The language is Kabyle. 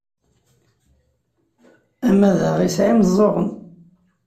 Amadaɣ yesɛa imeẓẓuɣen!